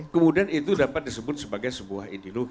kemudian itu dapat disebut sebagai sebuah ideologi